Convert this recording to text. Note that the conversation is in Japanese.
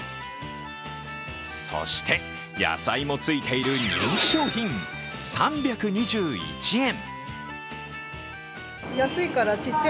そして野菜もついている人気商品３２１円。